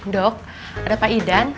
dok ada pak idan